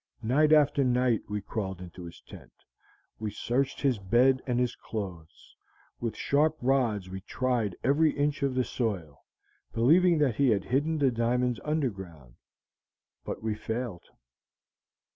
Night after night we crawled into his tent. We searched his bed and his clothes. With sharp rods we tried every inch of the soil, believing that he had hidden the diamonds underground, but we failed.